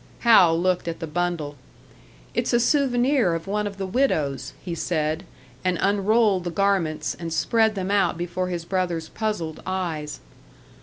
Hal looked at the bundle. "It's a souvenir of one of the widows," he said, and unrolled the garments and spread them out before his brother's puzzled eyes.